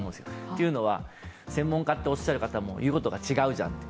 というのは、専門家っておっしゃる方も言うことが違うじゃんと。